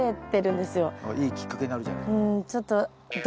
あっいいきっかけになるじゃない。